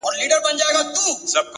علم د پرمختګ رڼا ده،